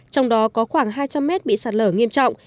trong đó có khoảng hai trăm linh mét bị sạt lở nghiêm trọng